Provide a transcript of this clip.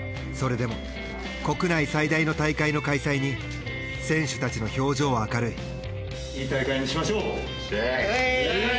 それでも国内最大の大会の開催に選手たちの表情は明るい。